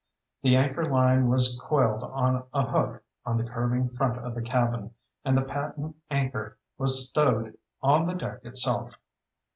The anchor line was coiled on a hook on the curving front of the cabin, and the patent anchor was stowed on the deck itself.